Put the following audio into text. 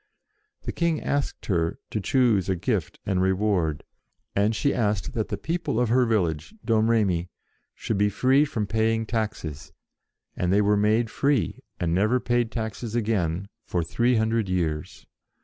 The King asked her to choose a gift and reward, and she asked that the people of her village, Domremy, should be free from paying taxes, and they were made free, and never paid taxes again, for three hundred years.